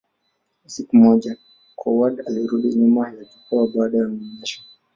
Usiku mmoja, Coward alirudi nyuma ya jukwaa baada ya onyesho.